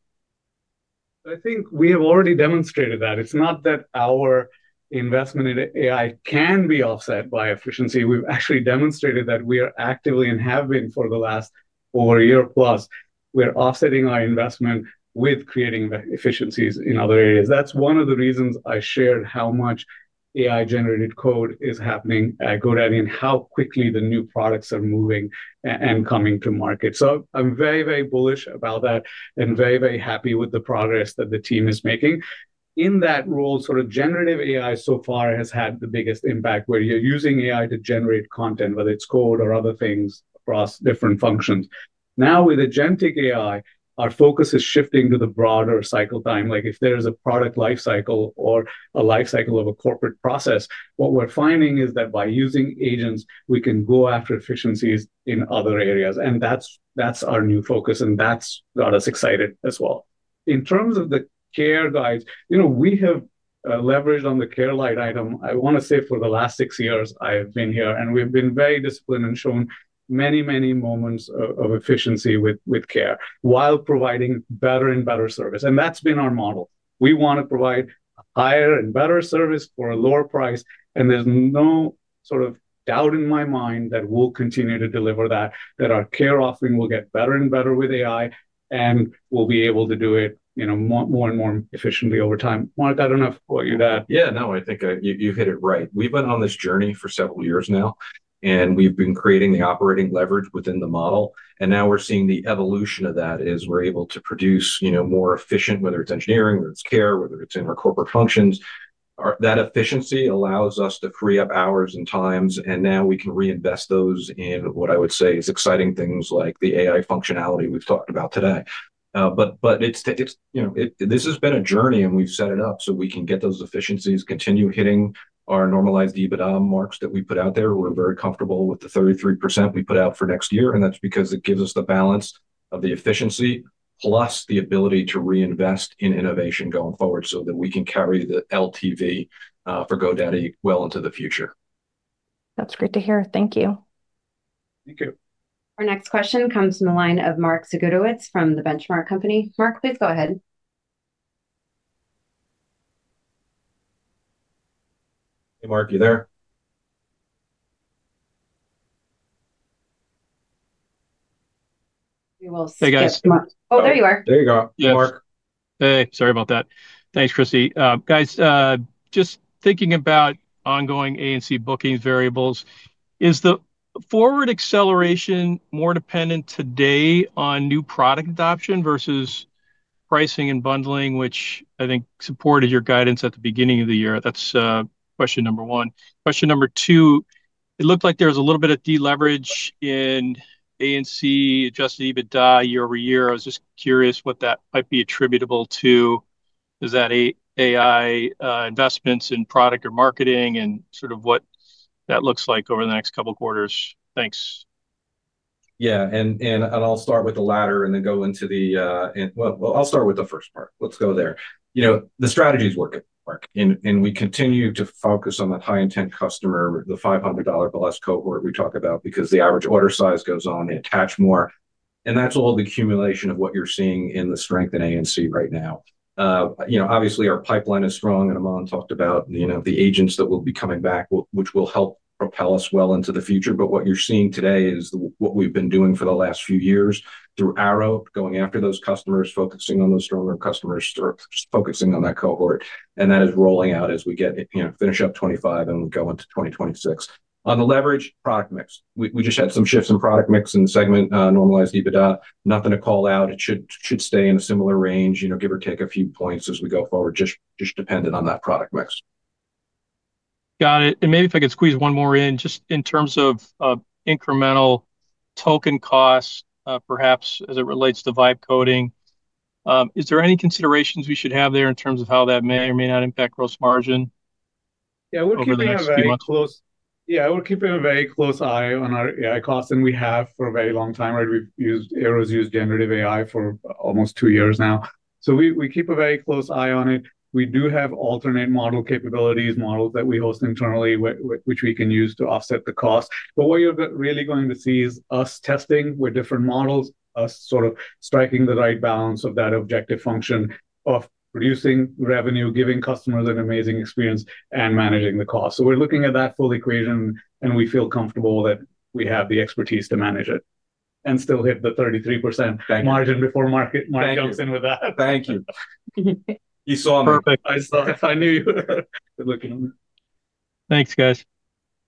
I think we have already demonstrated that. It's not that our investment in AI can be offset by efficiency. We've actually demonstrated that we are actively and have been for the last over a year plus. We're offsetting our investment with creating efficiencies in other areas. That's one of the reasons I shared how much AI-generated code is happening at GoDaddy and how quickly the new products are moving and coming to market. I'm very, very bullish about that and very, very happy with the progress that the team is making. In that role, sort of Generative AI so far has had the biggest impact where you're using AI to generate content, whether it's code or other things across different functions. Now, with Agentic AI, our focus is shifting to the broader cycle time. If there is a product lifecycle or a lifecycle of a corporate process, what we're finding is that by using agents, we can go after efficiencies in other areas. That's our new focus, and that's got us excited as well. In terms of the care guides, we have leveraged on the care line item. I want to say for the last six years I have been here, and we've been very disciplined and shown many, many moments of efficiency with care while providing better and better service. That's been our model. We want to provide higher and better service for a lower price. There's no sort of doubt in my mind that we'll continue to deliver that, that our care offering will get better and better with AI, and we'll be able to do it more and more efficiently over time. Mark, I don't know if I'll quote you that. Yeah. No, I think you hit it right. We've been on this journey for several years now, and we've been creating the operating leverage within the model. Now we're seeing the evolution of that is we're able to produce more efficient, whether it's engineering, whether it's care, whether it's in our corporate functions. That efficiency allows us to free up hours and times, and now we can reinvest those in what I would say is exciting things like the AI functionality we've talked about today. This has been a journey, and we've set it up so we can get those efficiencies, continue hitting our normalized EBITDA marks that we put out there. We're very comfortable with the 33% we put out for next year. That's because it gives us the balance of the efficiency plus the ability to reinvest in innovation going forward so that we can carry the LTV for GoDaddy well into the future. That's great to hear. Thank you. Thank you. Our next question comes from the line of Mark Zgutowicz from The Benchmark Company. Mark, please go ahead. Hey, Mark, you there? Hey, guys. Oh, there you are. There you are. Hey, Mark. Hey. Sorry about that. Thanks, Christie. Guys, just thinking about ongoing ANC booking variables, is the forward acceleration more dependent today on new product adoption versus pricing and bundling, which I think supported your guidance at the beginning of the year? That's question number one. Question number two, it looked like there was a little bit of deleverage in ANC adjusted EBITDA year over year. I was just curious what that might be attributable to. Is that AI investments in product or marketing and sort of what that looks like over the next couple of quarters? Thanks. Yeah. I'll start with the first part. The strategy is working, Mark. We continue to focus on that high-intent customer, the $500 Plus cohort we talk about because the average order size goes on, they attach more. That's all the accumulation of what you're seeing in the strength in ANC right now. Obviously, our pipeline is strong, and Aman talked about the agents that will be coming back, which will help propel us well into the future. What you're seeing today is what we've been doing for the last few years through Airo, going after those customers, focusing on those stronger customers, focusing on that cohort. That is rolling out as we finish up 2025 and go into 2026. On the leverage product mix, we just had some shifts in product mix in the segment, normalized EBITDA, nothing to call out. It should stay in a similar range, give or take a few points as we go forward, just dependent on that product mix. Got it. Maybe if I could squeeze one more in, just in terms of incremental token costs, perhaps as it relates to Vibe Coding. Is there any considerations we should have there in terms of how that may or may not impact gross margin? Yeah, we're keeping a very close eye on our AI costs and we have for a very long time, right? We've used—Airo's used Generative AI for almost two years now. We keep a very close eye on it. We do have alternate model capabilities, models that we host internally, which we can use to offset the cost. What you're really going to see is us testing with different models, us sort of striking the right balance of that objective function of producing revenue, giving customers an amazing experience, and managing the cost. We're looking at that full equation, and we feel comfortable that we have the expertise to manage it and still hit the 33% margin before Mark jumps in with that. Thank you. Good looking on it. Thanks, guys.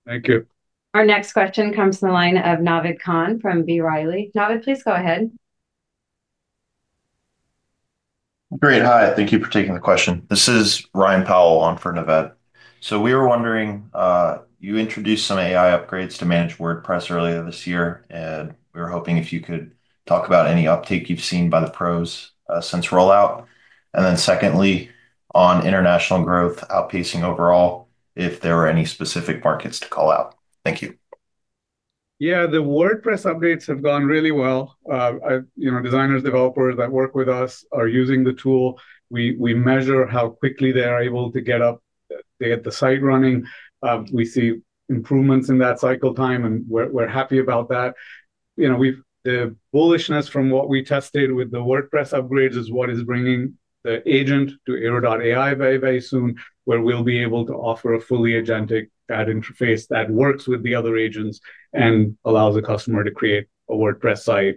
Thank you. Our next question comes from the line of Naved Khan from B. Riley. Naved, please go ahead. Great. Hi. Thank you for taking the question. This is Ryan Powell on for Naved. We were wondering, you introduced some AI upgrades to Managed WordPress earlier this year, and we were hoping if you could talk about any uptake you've seen by the pros since rollout. Secondly, on international growth outpacing overall, if there were any specific markets to call out. Thank you. Yeah. The WordPress updates have gone really well. Designers, developers that work with us are using the tool. We measure how quickly they are able to get up, to get the site running. We see improvements in that cycle time, and we're happy about that. The bullishness from what we tested with the WordPress upgrades is what is bringing the agent to Airo.ai very, very soon, where we'll be able to offer a fully agentic ad interface that works with the other agents and allows a customer to create a WordPress site,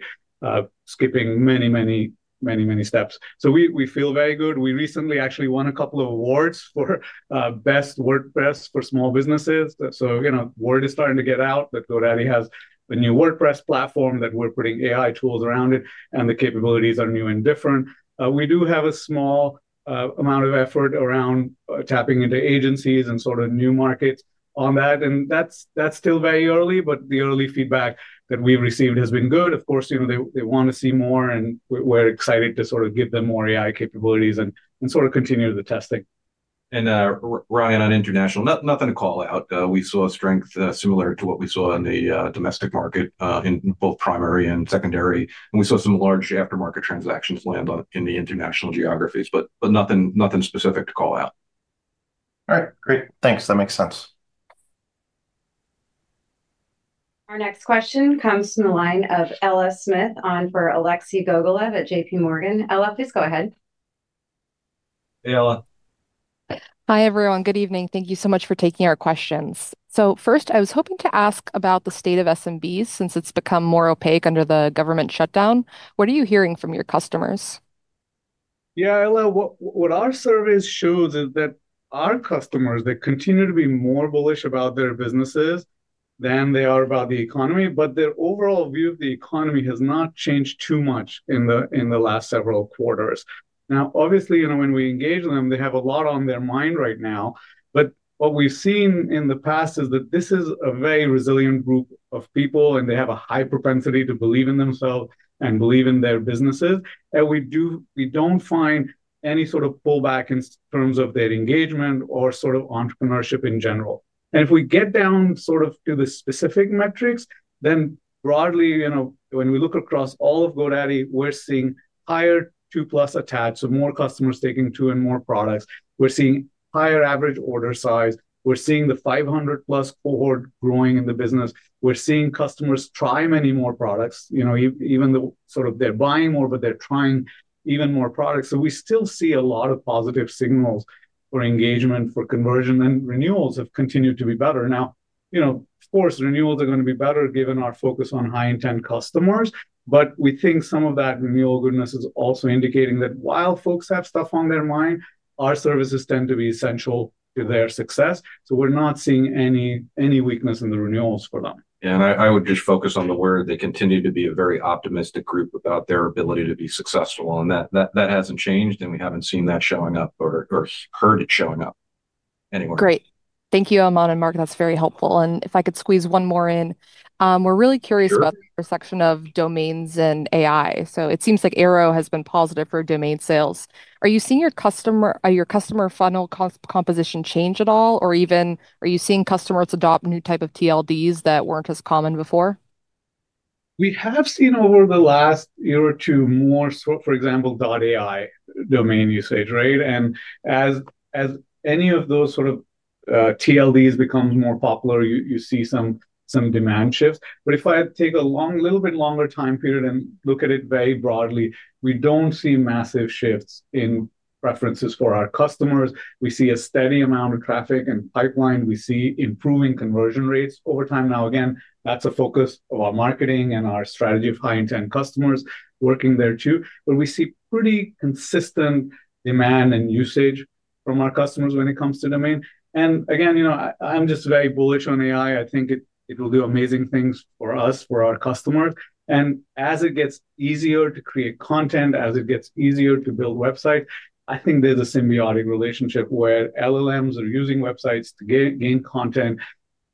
skipping many, many, many, many steps. We feel very good. We recently actually won a couple of awards for best WordPress for small businesses. Word is starting to get out that GoDaddy has a new WordPress platform that we're putting AI tools around, and the capabilities are new and different. We do have a small amount of effort around tapping into agencies and sort of new markets on that. That's still very early, but the early feedback that we've received has been good. Of course, they want to see more, and we're excited to sort of give them more AI capabilities and continue the testing. On international, nothing to call out. We saw strength similar to what we saw in the domestic market in both primary and secondary. We saw some large aftermarket transactions land in the international geographies, but nothing specific to call out. All right. Great, thanks. That makes sense. Our next question comes from the line of Ella Smith on for Alexei Gogolev at JPMorgan. Ella, please go ahead. Hey, Ella. Hi, everyone. Good evening. Thank you so much for taking our questions. First, I was hoping to ask about the state of SMBs since it's become more opaque under the government shutdown. What are you hearing from your customers? Yeah, Ella, what our surveys show is that our customers, they continue to be more bullish about their businesses than they are about the economy, but their overall view of the economy has not changed too much in the last several quarters. Obviously, when we engage with them, they have a lot on their mind right now. What we've seen in the past is that this is a very resilient group of people, and they have a high propensity to believe in themselves and believe in their businesses. We don't find any sort of pullback in terms of their engagement or sort of entrepreneurship in general. If we get down sort of to the specific metrics, then broadly, when we look across all of GoDaddy, we're seeing higher two-plus attached, so more customers taking two and more products. We're seeing higher average order size. We're seeing the 500 Plus cohort growing in the business. We're seeing customers try many more products. Even though they're buying more, they're trying even more products. We still see a lot of positive signals for engagement, for conversion, and renewals have continued to be better. Of course, renewals are going to be better given our focus on high-intent customers. We think some of that renewal goodness is also indicating that while folks have stuff on their mind, our services tend to be essential to their success. We're not seeing any weakness in the renewals for them. I would just focus on the word. They continue to be a very optimistic group about their ability to be successful. That hasn't changed, and we haven't seen that showing up or heard it showing up anywhere. Great. Thank you, Aman and Mark. That's very helpful. If I could squeeze one more in, we're really curious about the intersection of domains and AI. It seems like Airo has been positive for domain sales. Are you seeing your customer funnel composition change at all? Are you seeing customers adopt new types of TLDs that weren't as common before? We have seen over the last year or two more, for example, .ai domain usage, right? As any of those TLDs become more popular, you see some demand shifts. If I take a little bit longer time period and look at it very broadly, we don't see massive shifts in preferences for our customers. We see a steady amount of traffic and pipeline. We see improving conversion rates over time. That's a focus of our marketing and our strategy of high-intent customers working there too. We see pretty consistent demand and usage from our customers when it comes to domain. I'm just very bullish on AI. I think it will do amazing things for us, for our customers. As it gets easier to create content, as it gets easier to build websites, I think there's a symbiotic relationship where LLMs are using websites to gain content,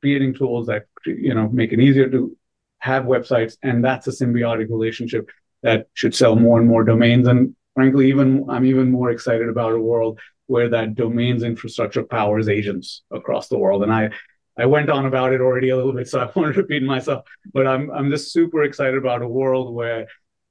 creating tools that make it easier to have websites. That's a symbiotic relationship that should sell more and more domains. Frankly, I'm even more excited about a world where that domains infrastructure powers agents across the world. I went on about it already a little bit, so I want to repeat myself. I'm just super excited about a world,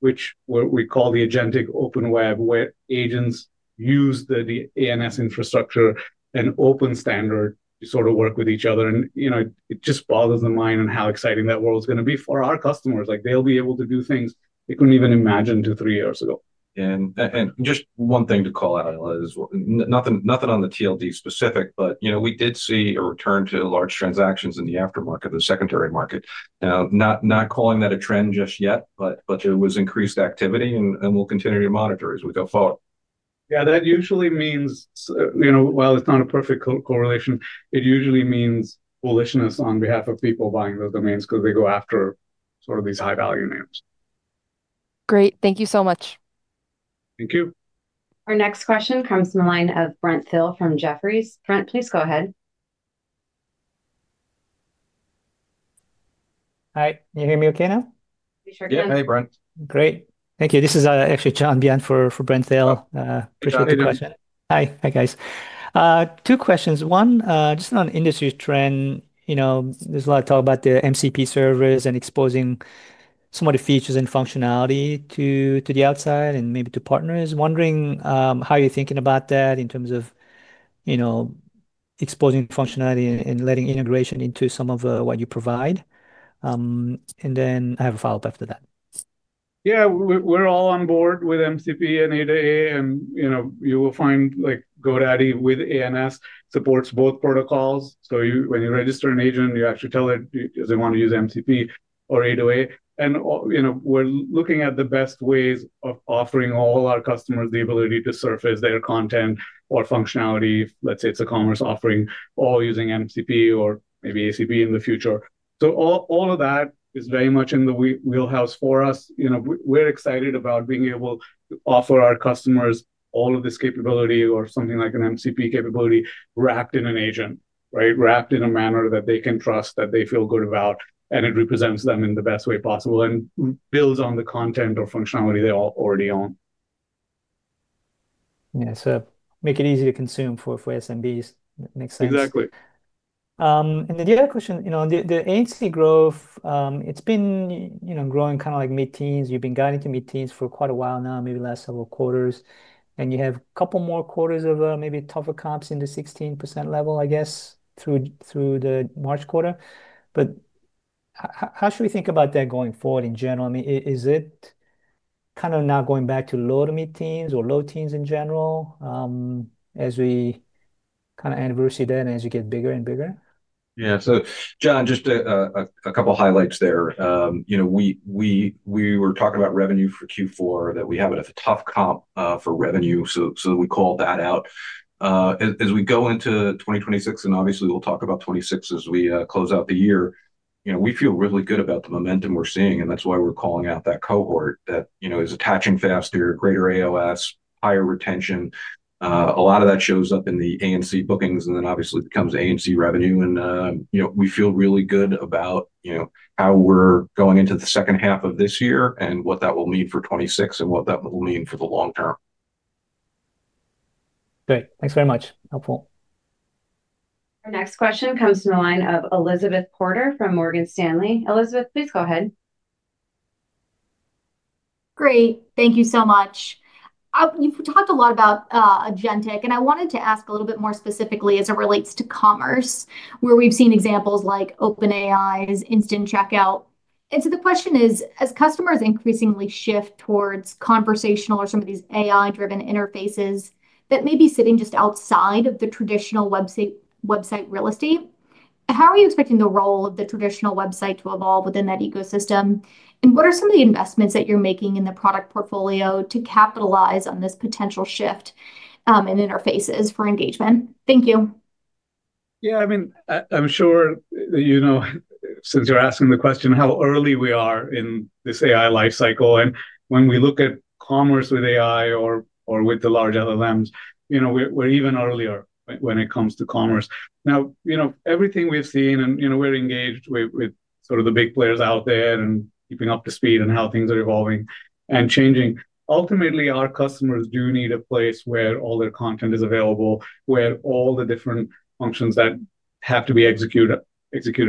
which we call the agentic open web, where agents use the ANS infrastructure, an open standard to sort of work with each other. It just boggles the mind on how exciting that world is going to be for our customers. They'll be able to do things they couldn't even imagine two, three years ago. One thing to call out is nothing on the TLD specific, but we did see a return to large transactions in the aftermarket, the secondary market. Not calling that a trend just yet, but it was increased activity, and we'll continue to monitor as we go forward. Yeah, that usually means, while it's not a perfect correlation, it usually means bullishness on behalf of people buying those domains because they go after sort of these high-value names. Great. Thank you so much. Thank you. Our next question comes from the line of Brent Thill from Jefferies. Brent, please go ahead. Hi, can you hear me okay now? We sure can. Yeah. Hey, Brent. Great, thank you. This is actually [John Pien] for Brent Thill. Appreciate the question. Hi, guys. Two questions. One, just on industry trend. There's a lot of talk about the MCP service and exposing some of the features and functionality to the outside and maybe to partners. Wondering how you're thinking about that in terms of exposing functionality and letting integration into some of what you provide. I have a follow-up after that. Yeah, we're all on board with MCP and A2A, and you will find GoDaddy with ANS supports both protocols. When you register an agent, you actually tell it, does it want to use MCP or A2A? We're looking at the best ways of offering all our customers the ability to surface their content or functionality. Let's say it's a commerce offering all using MCP or maybe ACP in the future. All of that is very much in the wheelhouse for us. We're excited about being able to offer our customers all of this capability or something like an MCP capability wrapped in an agent, right? Wrapped in a manner that they can trust, that they feel good about, and it represents them in the best way possible and builds on the content or functionality they already own. Yeah, make it easy to consume for SMBs. Makes sense. Exactly. The other question, the ANC growth, it's been growing kind of like mid-teens. You've been guiding to mid-teens for quite a while now, maybe last several quarters. You have a couple more quarters of maybe tougher comps in the 16% level, I guess, through the March quarter. How should we think about that going forward in general? I mean, is it kind of now going back to lower mid-teens or low teens in general as we kind of anniversary that and as you get bigger and bigger? Yeah. John, just a couple of highlights there. We were talking about revenue for Q4, that we have a tough comp for revenue. We called that out. As we go into 2026, and obviously, we'll talk about 2026 as we close out the year, we feel really good about the momentum we're seeing. That's why we're calling out that cohort that is attaching faster, greater AOS, higher retention. A lot of that shows up in the ANC bookings and then obviously becomes ANC revenue. We feel really good about how we're going into the second half of this year and what that will mean for 2026 and what that will mean for the long term. Great. Thanks very much. Helpful. Our next question comes from the line of Elizabeth Porter from Morgan Stanley. Elizabeth, please go ahead. Great. Thank you so much. You've talked a lot about agentic, and I wanted to ask a little bit more specifically as it relates to commerce, where we've seen examples like OpenAI's Instant Checkout. The question is, as customers increasingly shift towards conversational or some of these AI-driven interfaces that may be sitting just outside of the traditional website real estate, how are you expecting the role of the traditional website to evolve within that ecosystem? What are some of the investments that you're making in the product portfolio to capitalize on this potential shift in interfaces for engagement? Thank you. Yeah. I mean, I'm sure. Since you're asking the question, how early we are in this AI life cycle. When we look at commerce with AI or with the large LLMs, we're even earlier when it comes to commerce. Everything we've seen, and we're engaged with sort of the big players out there and keeping up to speed in how things are evolving and changing. Ultimately, our customers do need a place where all their content is available, where all the different functions that have to be executed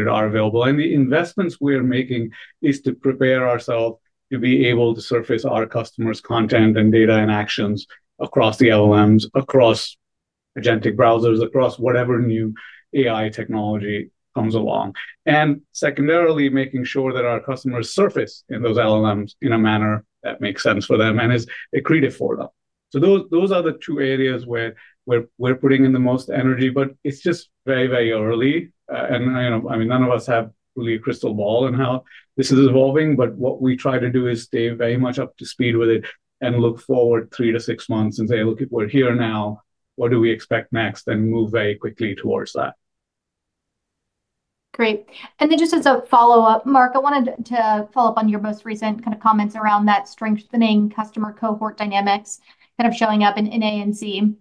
are available. The investments we are making is to prepare ourselves to be able to surface our customers' content and data and actions across the LLMs, across agentic browsers, across whatever new AI technology comes along. Secondarily, making sure that our customers surface in those LLMs in a manner that makes sense for them and is creative for them. Those are the two areas where we're putting in the most energy, but it's just very, very early. None of us have really a crystal ball on how this is evolving, but what we try to do is stay very much up to speed with it and look forward three to six months and say, "Look, we're here now. What do we expect next?" and move very quickly towards that. Great. Just as a follow-up, Mark, I wanted to follow up on your most recent kind of comments around that strengthening customer cohort dynamics kind of showing up in ANC.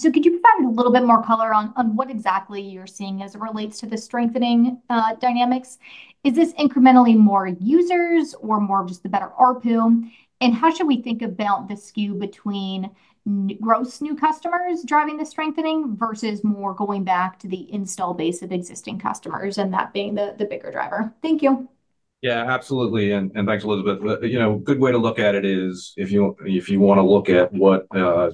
Could you provide a little bit more color on what exactly you're seeing as it relates to the strengthening dynamics? Is this incrementally more users or more of just the better ARPU? How should we think about the skew between gross new customers driving the strengthening versus more going back to the install base of existing customers and that being the bigger driver? Thank you. Yeah, absolutely. Thanks, Elizabeth. A good way to look at it is if you want to look at what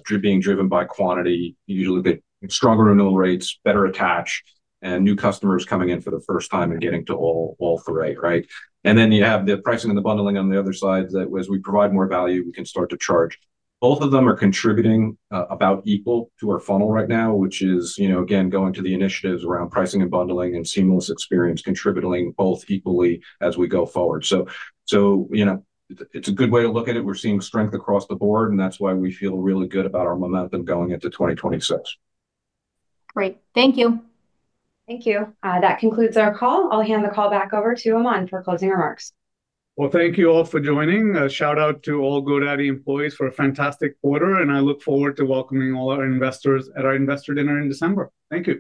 is being driven by quantity, you usually look at stronger renewal rates, better attach, and new customers coming in for the first time and getting to all three, right? Then you have the pricing and the bundling on the other side that as we provide more value, we can start to charge. Both of them are contributing about equal to our funnel right now, which is, again, going to the initiatives around pricing and bundling and seamless experience, contributing both equally as we go forward. It's a good way to look at it. We're seeing strength across the board, and that's why we feel really good about our momentum going into 2026. Great. Thank you. Thank you. That concludes our call. I'll hand the call back over to Aman for closing remarks. Thank you all for joining. Shout out to all GoDaddy employees for a fantastic quarter, and I look forward to welcoming all our investors at our investor dinner in December. Thank you.